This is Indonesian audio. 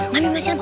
mami masih lambat